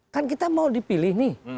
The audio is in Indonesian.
kan kita mau dipilih nih